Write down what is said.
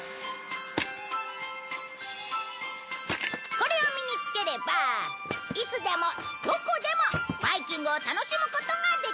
これを身に着ければいつでもどこでもバイキングを楽しむことができるんだ。